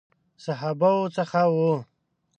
صحابه وو څخه وو.